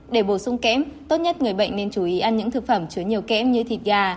để bổ sung kẽm tốt nhất người bệnh nên chú ý ăn những thực phẩm chứa nhiều kẽm như thịt gà